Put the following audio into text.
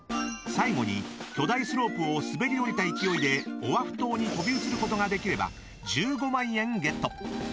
最後に巨大スロープを滑り降りた勢いでオアフ島に飛び移ることができれば１５万円ゲット。